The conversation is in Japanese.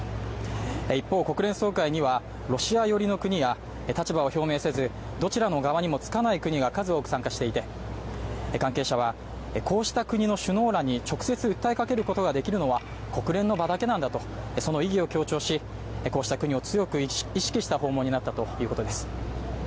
一方、国連総会には、ロシア寄りの国や立場を表明せずどちらの側にもつかない国が数多く参加していて、関係者はこうした国の首脳らに直接訴えかけることができるのは国連の場だけなんだとその意義を強調し、こうした国を強く意識した訪問になったということです。